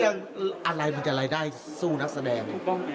อะไรมันจะรายได้สู้นักแสดง